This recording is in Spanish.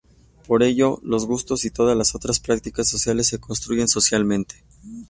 Por ello, los gustos y todas las otras prácticas sociales se construyen socialmente.